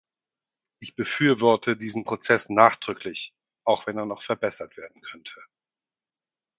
Ich befürworte diesen Prozess nachdrücklich, auch wenn er noch verbessert werden könnte.